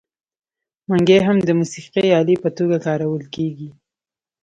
منګی هم د موسیقۍ الې په توګه کارول کیږي.